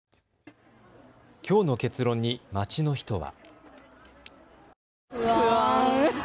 きょうの結論に街の人は。